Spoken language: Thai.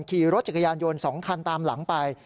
ขี่รถจักรยานยนต์๒คันตามหลังไป